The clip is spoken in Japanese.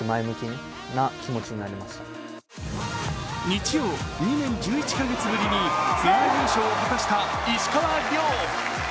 日曜、２年１１カ月ぶりにツアー優勝を果たした石川遼。